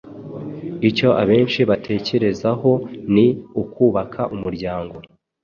icyo abenshi batekerezaho ni ukubaka umuryango